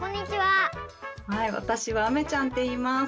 はいわたしはうめちゃんっていいます。